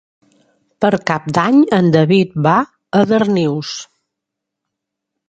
Per Cap d'Any en David va a Darnius.